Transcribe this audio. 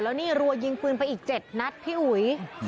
แล้วนี่รัวยิงปืนไปอีก๗นัดพี่อุ๋ย